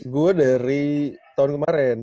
gua dari tahun kemaren